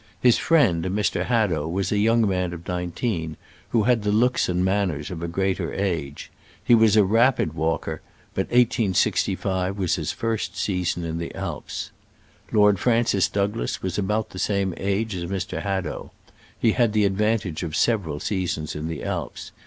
His friend, Mr. Hadow, was a young man of nineteen, who had the looks and manners of a greater age. He was a rapid walker, but 1865 was his first season in the Alps. Lord Francis Douglas was about the same age as Mr. Hadow. He had had the advantage of several seasons in the Alps.